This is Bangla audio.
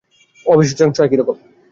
অবশিষ্টাংশ একই রকম।